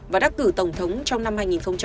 và đắc cử tổng thống trong năm hai nghìn một mươi sáu